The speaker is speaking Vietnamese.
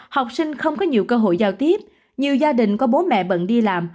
học sinh không có nhiều cơ hội giao tiếp nhiều gia đình có bố mẹ bận đi làm